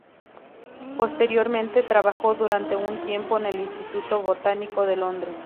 Posteriormente, trabajó durante un tiempo en el Instituto Botánico de Londres.